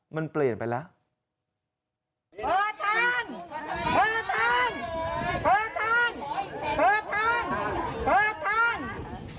มันเปลี่ยนไปแล้ว